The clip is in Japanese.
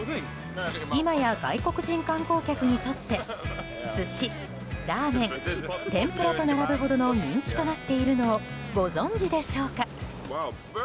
今や外国人観光客にとって寿司、ラーメン、天ぷらと並ぶほどの人気となっているのをご存じでしょうか。